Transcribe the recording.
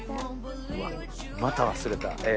また忘れたえ。